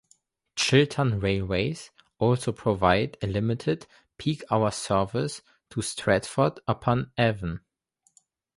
Chiltern Railways also provide a limited peak-hour service to Stratford-upon-Avon.